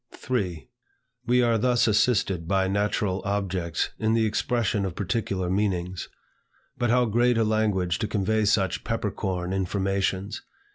3. We are thus assisted by natural objects in the expression of particular meanings. But how great a language to convey such pepper corn informations!